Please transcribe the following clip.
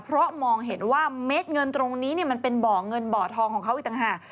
เพราะมองเห็นว่าเม็ดเงินตรงนี้มันเป็นบ่อเงินบ่อทองของเขาอีกต่างหาก